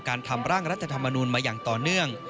ทำร่างรัฐธรรมนูลมาอย่างต่อเนื่อง